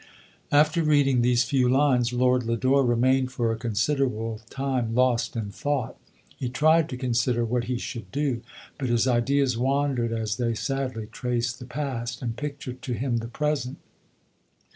" After reading these few lines, Lord Lodore remained for a considerable time lost in thought. He tried to consider what he should do, but his ideas wandered, as they sadly traced the past, and pictured to him the present.